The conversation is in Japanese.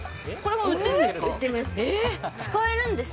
売ってます。